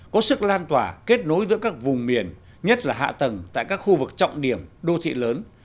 có sức lan tỏa kết nối giữa các vùng miền nhất là hạ tầng tại các khu vực trọng điểm đô thị lớn